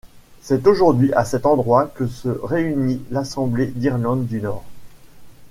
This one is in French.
C'est aujourd'hui à cet endroit que se réunit l'Assemblée d'Irlande du Nord.